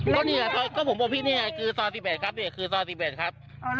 ว่ายะดูค่ะคุณ